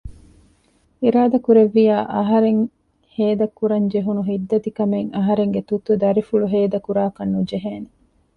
އިރާދަކުރެއްވިއްޔާ އަހަރެން ހޭދަ ކުރަން ޖެހުނު ހިއްތަދިކަމެއް އަހަރެންގެ ތުއްތު ދަރިފުޅު ހޭދަ ކުރާކަށް ނުޖެހޭނެ